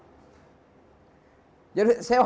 jadi saya baru pikir mungkin hiburan juga bagi beliau